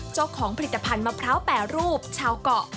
เจ้าของผลิตภัณฑ์มะพร้าวแปรรูปชาวเกาะ